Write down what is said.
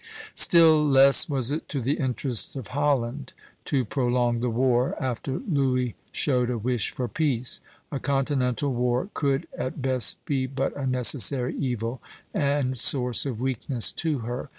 Still less was it to the interest of Holland to prolong the war, after Louis showed a wish for peace. A continental war could at best be but a necessary evil, and source of weakness to her.